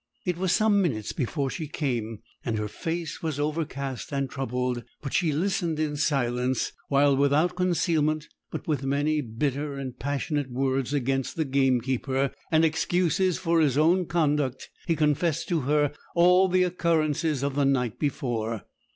It was some minutes before she came, and her face was overcast and troubled; but she listened in silence, while, without concealment, but with many bitter and passionate words against the gamekeeper, and excuses for his own conduct, he confessed to her all the occurrences of the night before.